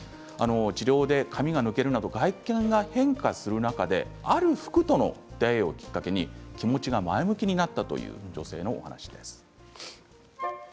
治療で髪が抜けるなど外見が変化する中である服との出会いをきっかけに気持ちが前向きになったという女性のお話です。